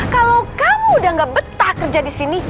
kalau kamu udah gak betah kerja disini